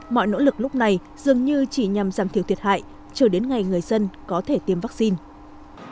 mọi nỗ lực lúc này dường như chỉ nhằm giảm thiểu thiệt hại chờ đến ngày người dân có thể tiêm vaccine